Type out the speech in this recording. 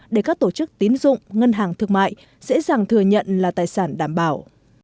để các tổ chức tín dụng ngân hàng thương mại dễ dàng thừa nhận là tài sản đảm bảo